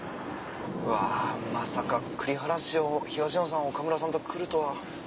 うわまさか栗原市を東野さん岡村さんと来るとは。